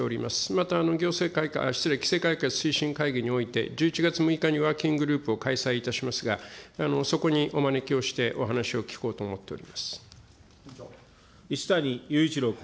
また、行政改革、失礼、規制改革推進会議において、１１月６日にワーキンググループを開催いたしますが、そこにお招きをして、お一谷勇一郎君。